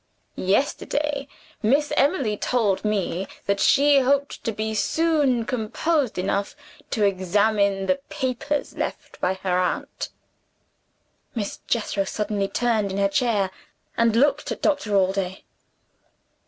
Yesterday, Miss Emily told me that she hoped to be soon composed enough to examine the papers left by her aunt." Miss Jethro suddenly turned in her chair, and looked at Doctor Allday.